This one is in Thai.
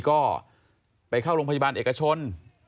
ก็ไปเข้าโรงพยาบาลเอกชน